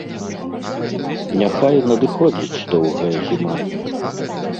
Няхай надыходзіць доўгая зіма.